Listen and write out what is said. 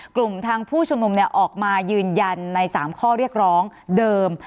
กลุ่มทางผู้ชุมนุมออกมายืนยันใน๓ข้อเรียกร้องเดิม